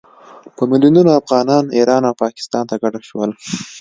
په میلونونو افغانان ایران او پاکستان ته کډه شول.